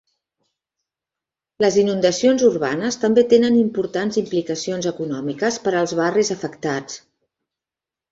Les inundacions urbanes també tenen importants implicacions econòmiques per als barris afectats.